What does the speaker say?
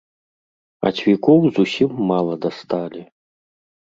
А цвікоў зусім мала дасталі.